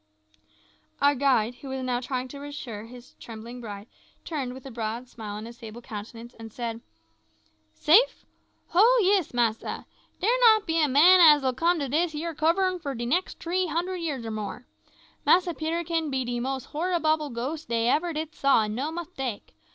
Our guide, who was now trying to reassure his trembling bride, turned, with a broad grin on his sable countenance, and said "Safe? ho! yis, massa. Dere not be a man as'll come to dis yere cuvern for de nix tree hun'r year or more. Massa Peterkin be de most horriboble ghost dey ever did saw, an' no mistake.